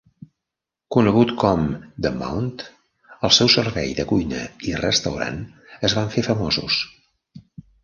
Conegut com "The Mount", el seu servei de cuina i restaurant es van fer famosos.